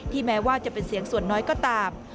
แม้ว่าจะเป็นเสียงส่วนน้อยก็ตาม